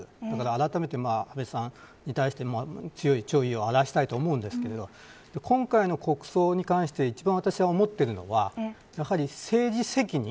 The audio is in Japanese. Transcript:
改めて安倍さんに対して強い弔意を表したいと思うんですが今回の国葬に関して一番私が思っているのは政治責任。